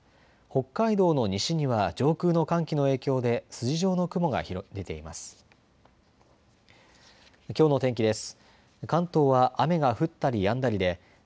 北海道の西には上空の寒気の影響で筋状の雲が出ています。